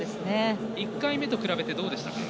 １回目と比べてどうでしたか？